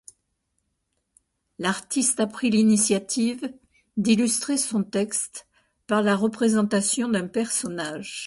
L'artiste a pris l'initiative d'illustrer son texte par la représentation d'un personnage.